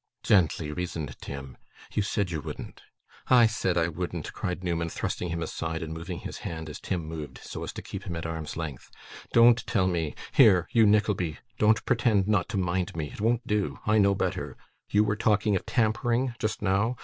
'Gently,' reasoned Tim; 'you said you wouldn't.' 'I said I wouldn't!' cried Newman, thrusting him aside, and moving his hand as Tim moved, so as to keep him at arm's length; 'don't tell me! Here, you Nickleby! Don't pretend not to mind me; it won't do; I know better. You were talking of tampering, just now.